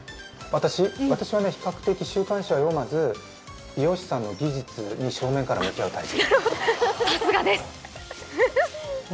私はね、比較的週刊誌は読まず美容師さんの技術に正面から向き合うタイプです。